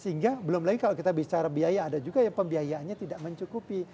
sehingga belum lagi kalau kita bicara biaya ada juga yang pembiayaannya tidak mencukupi